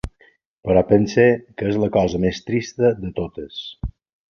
Però pense que és la cosa més trista de totes.